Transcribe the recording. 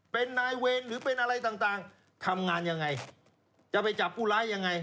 เป็นนายเวรหรือเป็นอะไรต่างทำงานยังไงจะไปจับผู้ร้ายยังไง